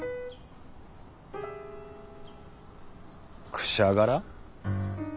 「くしゃがら」？